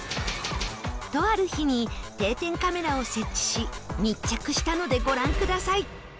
とある日に定点カメラを設置し密着したのでご覧ください